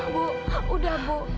bu udah bu